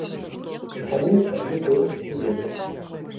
Механізм такі быў і ёсць.